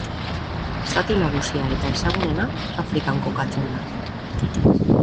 Zati nagusia eta ezagunena, Afrikan kokatzen da.